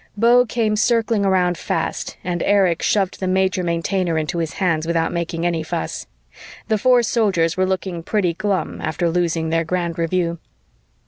Beau came circling around fast and Erich shoved the Major Maintainer into his hands without making any fuss. The four Soldiers were looking pretty glum after losing their grand review.